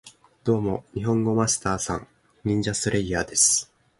ドーモ、ニホンゴマスター＝サン！ニンジャスレイヤーです